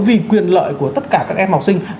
vì quyền lợi của tất cả các em học sinh